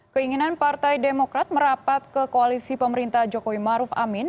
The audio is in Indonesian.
keinginan partai demokrat merapat ke koalisi pemerintah jokowi maruf amin